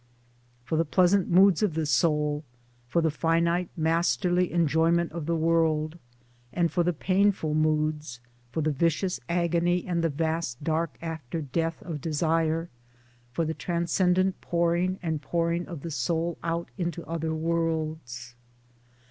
For the pleasant moods of the soul, for the finite masterly enjoyment of the world ; and for the painful moods, for the vicious agony and the vast dark after death of desire — for the transcendent pouring and pouring of the soul out into other worlds